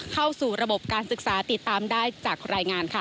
เข้าสู่ระบบการศึกษาติดตามได้จากรายงานค่ะ